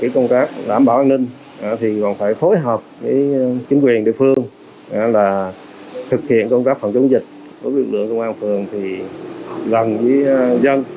chính quyền địa phương thực hiện công tác phòng chống dịch lực lượng công an phường gần với dân